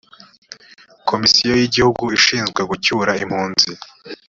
komisiyo y’igihugu ishinzwe gucyura impunzi